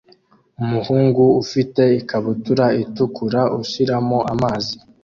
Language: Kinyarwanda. Umuhungu ufite ikabutura itukura ushiramo amazi